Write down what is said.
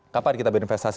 kapan kita berinvestasi